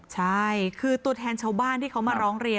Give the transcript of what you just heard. ใช่คือตัวแทนชาวบ้านที่เขามาร้องเรียน